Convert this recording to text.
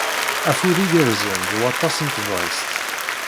Afud igerrzen d waṭas n tebɣest.